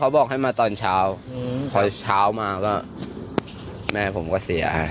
เขาบอกให้มาเช้าก็แม่ส่วนเช้าก็เสียชีวิต